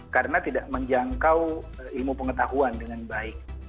karena tidak menjangkau ilmu pengetahuan dengan baik